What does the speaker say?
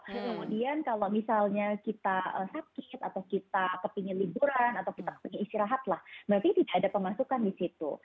kemudian kalau misalnya kita sakit atau kita kepingin liburan atau kita ingin istirahat lah berarti tidak ada pemasukan di situ